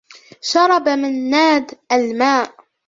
شرب مناد الماء